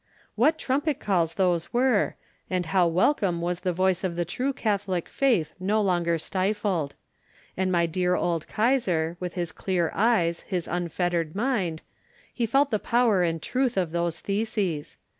What trumpet calls those were, and how welcome was the voice of the true Catholic faith no longer stifled! And my dear old Kaisar, with his clear eyes, his unfettered mind—he felt the power and truth of those theses.